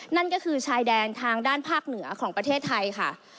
นั่นก็คือชายแดนทางด้านภาคเหนือของประเทศไทยค่ะ